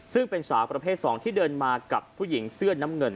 ซึ่งเป็นสาวประเภท๒ที่เดินมากับผู้หญิงเสื้อน้ำเงิน